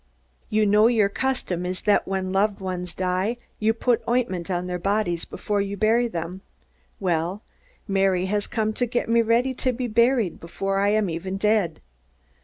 You know your custom is that when your loved ones die you put ointment on their bodies before you bury them. Well, Mary has come to get me ready to be buried, before I am even dead.